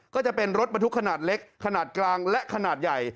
ก็จะเป็นรถบรรทุกขนาดเล็กขนาดกลางและขนาดใหญ่